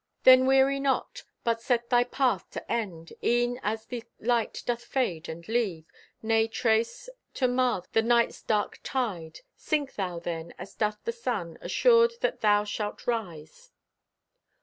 Then weary not, but set thy path to end, E'en as the light doth fade and leave Nay trace to mar the night's dark tide. Sink thou, then, as doth the sun, Assured that thou shalt rise!